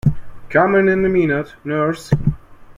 Coming in a minute, nurse!